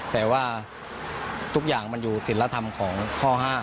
แต่ว่าทุกอย่างมันอยู่ศิลธรรมของข้อ๕